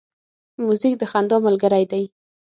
موزیک د خندا ملګری دی.